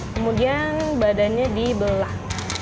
kemudian badannya dibelah